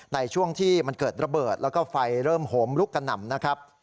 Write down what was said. ในช่วงที่มันเกิดระเบิดและไฟเริ่มหมลุกกันหนำ